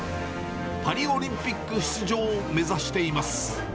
パリオリンピック出場を目指しています。